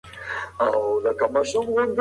دا اندازه د درملنې لار ټاکي.